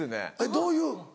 どういう？